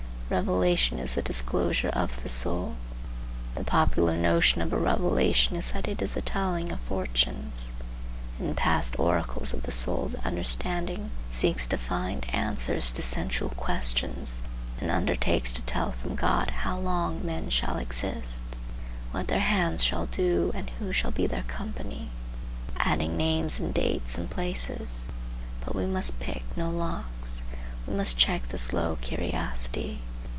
Revelation is the disclosure of the soul. The popular notion of a revelation is that it is a telling of fortunes. In past oracles of the soul the understanding seeks to find answers to sensual questions, and undertakes to tell from God how long men shall exist, what their hands shall do and who shall be their company, adding names and dates and places. But we must pick no locks. We must check this low curiosity.